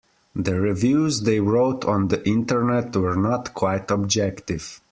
The reviews they wrote on the Internet were not quite objective.